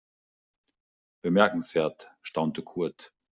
Bemerkenswert, staunte Kurt.